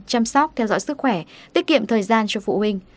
chăm sóc theo dõi sức khỏe tiết kiệm thời gian cho phụ huynh